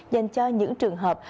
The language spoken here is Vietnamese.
dành cho những trường hợp